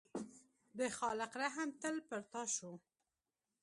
د خالق رحم تل پر تا شو.